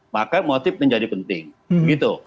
maka motif menjadi penting gitu